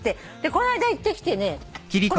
この間行ってきてね。